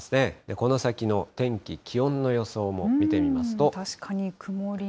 この先の天気、気温の予想も見てみますと。